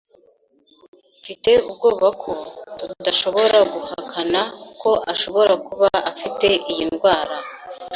Mfite ubwoba ko tudashobora guhakana ko ashobora kuba afite iyi ndwara.